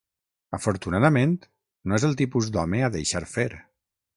Afortunadament, no és el tipus d'home a deixar fer.